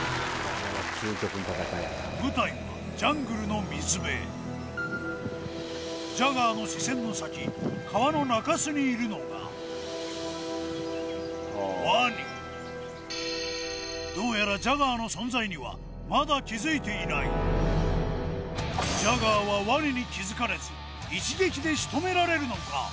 舞台はジャガーの視線の先川の中州にいるのがワニどうやらジャガーの存在にはまだ気付いていないジャガーはワニに気付かれず一撃で仕留められるのか